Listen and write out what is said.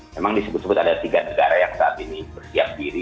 memang disebut sebut ada tiga negara yang saat ini bersiap diri